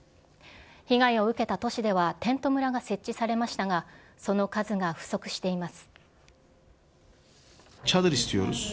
被害を受けた都市ではテント村が設置されましたがその数が不足しています。